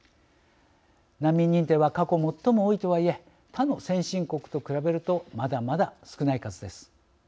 難民認定は過去最も多いとはいえ他の先進国と比べるとまだまだ少ない数です。